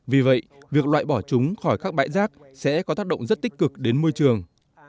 vì vậy việc loại bỏ chúng khỏi các bãi rác sẽ có tác động rất tích cực đến môi trường